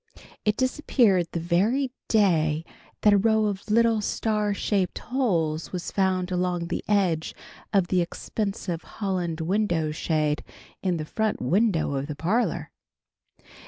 It disappeared the very day that a row of little star shaped holes was found along the edge of the expensive Holland window shade in the front window of the parlor.